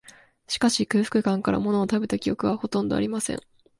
しかし、空腹感から、ものを食べた記憶は、ほとんどありません